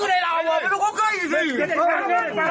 อัทธิ์พอไป